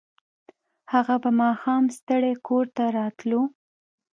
هغه به ماښام ستړی کور ته راتلو